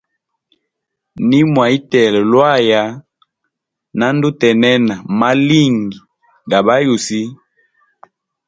Nimwa itela lwaya, na ndutenena malingi ga ba yusi.